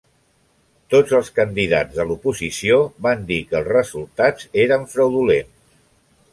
Tots els candidats de l'oposició van dir que els resultats eren fraudulents.